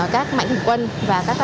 các mạnh thịnh quân và các